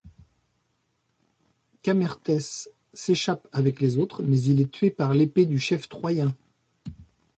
Camertés s'échappe avec les autres, mais il est tué par l'épée du chef troyen.